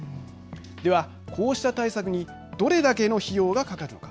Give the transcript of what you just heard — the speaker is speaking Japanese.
では、こうした対策にどれだけの費用がかかるのか。